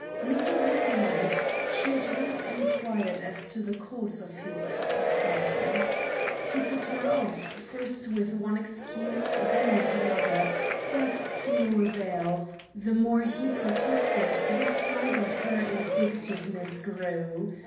Meeting his wife, she at once inquired as to the cause of his happy smile. He put her off, first with one excuse then with another, but to no avail; the more he protested, the stronger her inquisitiveness grew.